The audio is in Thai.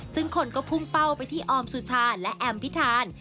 ซึ่งคนก็พุ่งเป้าไปที่ออมสุชาและแอมพิธาน